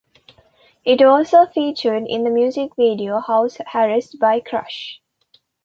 It also featured in the music video "House Arrest" by Krush.